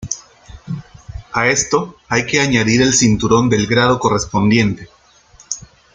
A esto hay que añadir el cinturón del grado correspondiente.